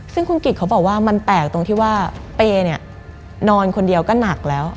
ซึ่งคุณกิจเขาบอกว่ามันแปลกตรงที่ว่าเปย์เนี่ยนอนคนเดียวก็หนักแล้ว